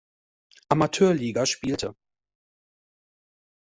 Amateurliga spielte.